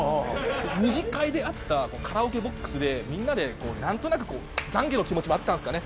二次会で会ったカラオケボックスでみんなでこうなんとなく懺悔の気持ちもあったんですかね。